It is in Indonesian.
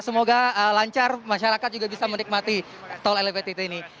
semoga lancar masyarakat juga bisa menikmati tol elevated ini